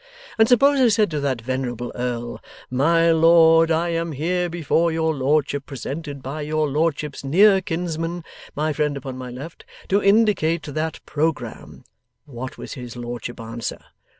And suppose I said to that venerable earl, "My Lord, I am here before your lordship, presented by your lordship's near kinsman, my friend upon my left, to indicate that programme;" what would his lordship answer?